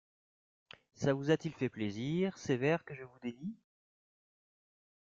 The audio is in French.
Ça vous a-t-il fait plaisir, ces vers que je vous dédie ?